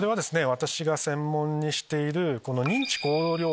私が専門にしている。